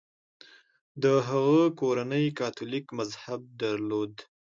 د هغه کورنۍ کاتولیک مذهب درلود.